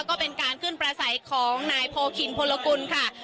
ก็เป็นการขึ้นประสัยของนายโพคินพลกุลค่ะ